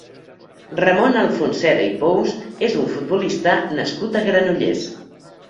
Ramon Alfonseda i Pous és un futbolista nascut a Granollers.